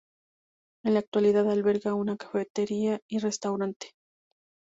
En la actualidad alberga una cafetería y restaurante.